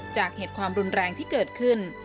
จากเหตุความรุนแรงที่เกิดขึ้น